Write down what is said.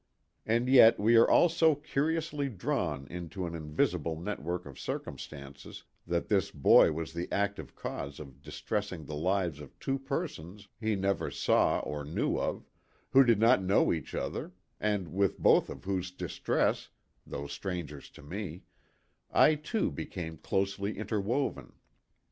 And yet we are all so curiously drawn into an invisible net work of circumstance that this boy was the active cause of distressing the lives of two persons he never saw or knew of, who did not know each other, and with both of whose dis tress though strangers to me I too became closely interwoven.